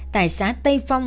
tại xã tây phong